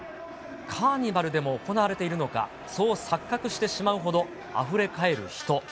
カーニバルでも行われているのか、そう錯覚してしまうほどあふれかえる人。